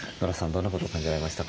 どんなことを感じられましたか？